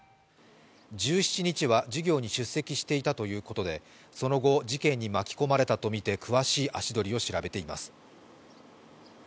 １７日は授業に出席していたということでその後、事件に巻き込まれたとみて詳しい足取りを調べています。